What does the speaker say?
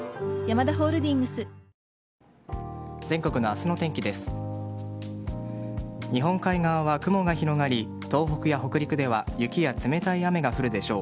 日本海側は雲が広がり東北や北陸では雪や冷たい雨が降るでしょう。